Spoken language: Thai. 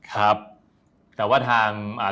ครับแต่ว่าทางลูกจ้าง